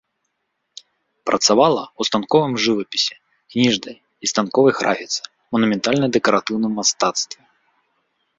Працавала ў станковым жывапісе, кніжнай і станковай графіцы, манументальна-дэкаратыўным мастацтве.